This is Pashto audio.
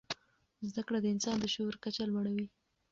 زده کړه د انسان د شعور کچه لوړوي.